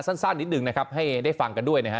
สั้นนิดหนึ่งนะครับให้ได้ฟังกันด้วยนะฮะ